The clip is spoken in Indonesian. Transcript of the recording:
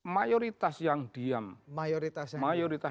mayoritas yang diam